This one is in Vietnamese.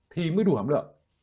thì mới đủ hàm lượng